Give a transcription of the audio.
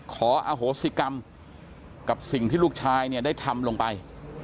ขออโหสิกรรมกับสิ่งที่ลูกชายเนี่ยได้ทำลงไป